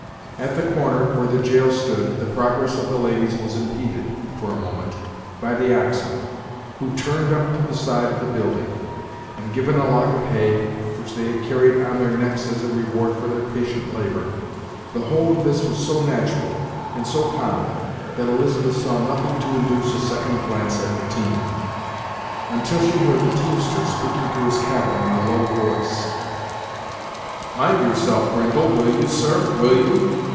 At the corner, where the jail stood, the progress of the ladies was impeded, for a moment, by the oxen, who were turned up to the side of the building, and given a lock of hay, which they had carried on their necks, as a reward for their patient labor, The whole of this was so natural, and so common, that Elizabeth saw nothing to induce a second glance at the team, until she heard the teamster speaking to his cattle in a low voice: "Mind yourself, Brindle; will you, sir! will you!"